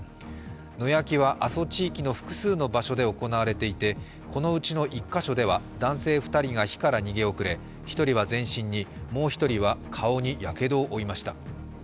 野焼きは阿蘇地域の複数の場所で行われていて、このうちの１カ所では男性２人が火から逃げ遅れ１人は全身に、もう１人は顔にやけどを負いました。